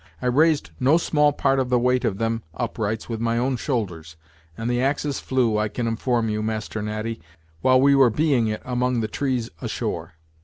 I raised no small part of the weight of them uprights with my own shoulders, and the axes flew, I can inform you, Master Natty, while we were bee ing it among the trees ashore.